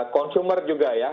konsumer juga ya